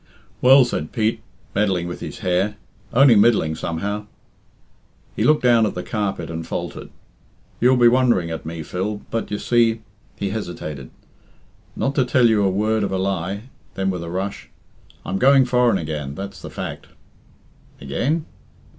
"Well," said Pete, meddling with his hair, "only middling, somehow." He looked down at the carpet, and faltered, "You'll be wondering at me, Phil, but, you see " he hesitated "not to tell you a word of a lie " then, with a rush, "I'm going foreign again; that's the fact." "Again?"